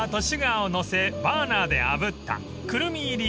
バーナーであぶったくるみ入り